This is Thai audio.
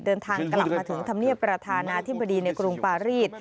เดินทางกลับมาถึงธรรมเนียบประธานาธิบดีในกรุงปารีส